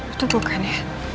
itu bukan ya